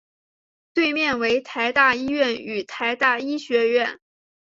对面为台大医院与台大医学院。